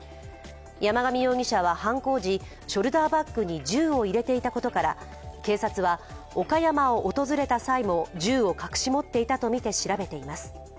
山上容疑者は犯行時、ショルダーバッグに銃を入れていたことから警察は岡山を訪れた際も銃を隠し持っていたとみて調べています。